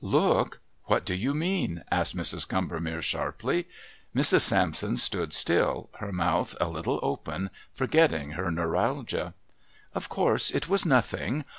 "Look! What do you mean?" asked Mrs. Combermere sharply. Mrs. Sampson stood still, her mouth a little open, forgetting her neuralgia. "Of course it was nothing.